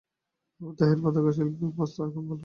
আবু তাহের পাদুকাশিল্পের অবস্থা এখন ভালো।